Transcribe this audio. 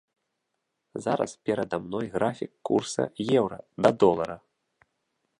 Зараз перада мной графік курса еўра да долара.